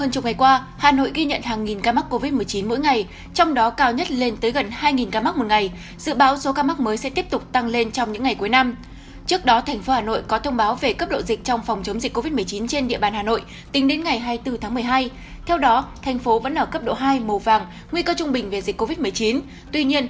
các bạn hãy đăng ký kênh để ủng hộ kênh của chúng mình nhé